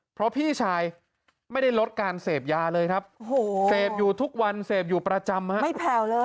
เพราะพี่ชายไม่ได้ลดการเสพยาเลยครับเสพอยู่ทุกวันเสพอยู่ประจำไม่แผ่วเลย